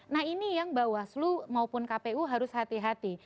nah ini yang bawaslu maupun kpu harus hati hati